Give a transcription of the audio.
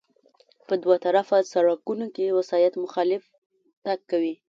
په دوه طرفه سړکونو کې وسایط مخالف تګ کوي